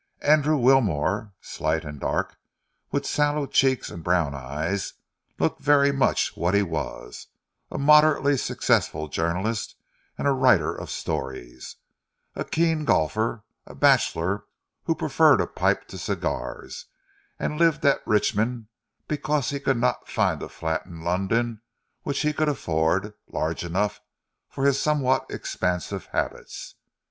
Andrew Wilmore, slight and dark, with sallow cheeks and brown eyes, looked very much what he was a moderately successful journalist and writer of stories, a keen golfer, a bachelor who preferred a pipe to cigars, and lived at Richmond because he could not find a flat in London which he could afford, large enough for his somewhat expansive habits.